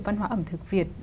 văn hóa ẩm thực việt